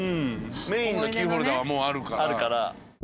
メインのキーホルダーはもうあるから。